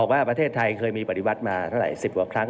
ว่าประเทศไทยเคยมีปฏิวัติมา๑๐กวัคครั้ง